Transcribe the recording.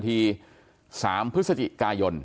อยู่ดีมาตายแบบเปลือยคาห้องน้ำได้ยังไง